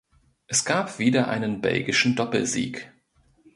Es gab wieder einen belgischen Doppelsieg.